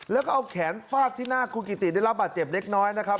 แล้วก็เอาแขนฟาดที่หน้าคุณกิติได้รับบาดเจ็บเล็กน้อยนะครับ